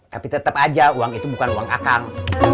tapi tetap aja uang itu bukan uang akang